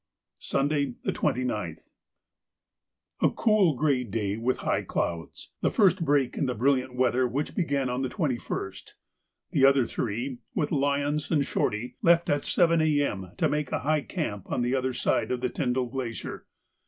Sunday, the 29th.—A cool grey day with high clouds, the first break in the brilliant weather which began on the 21st. The other three, with Lyons and Shorty, left at 7 A.M. to make a high camp on the other side of the Tyndall Glacier.